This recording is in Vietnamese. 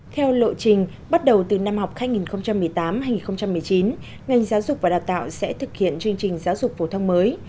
theo lộ trình bắt đầu từ năm học hai nghìn một mươi tám hai nghìn một mươi chín ngành giáo dục và đào tạo sẽ thực hiện chương trình giáo dục phổ thông mới